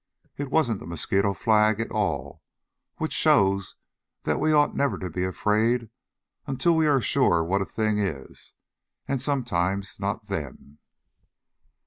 It wasn't the mosquito flag at all, which shows that we ought never to be afraid until we are sure what a thing is and sometimes not then.